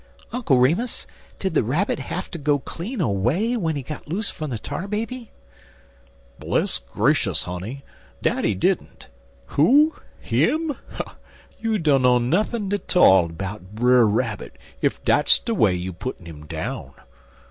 "Uncle Remus, did the Rabbit have to go clean away when he got loose from the Tar Baby?" "Bless gracious, honey, dat he didn't. Who? Him? You dunno nuthin' 'tall 'bout Brer Rabbit ef dat's de way you puttin' 'im down.